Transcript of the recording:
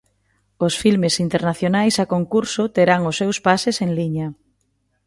Os filmes internacionais a concurso terán os seus pases en liña.